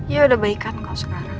ya udah baik kan kau sekarang